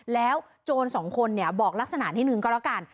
แล้วโจรสองคนเนี่ยบอกลักษณะนิดนึงก็แล้วกัน